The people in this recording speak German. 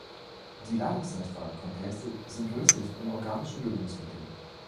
Die ladungsneutralen Komplexe sind löslich in organischen Lösungsmitteln.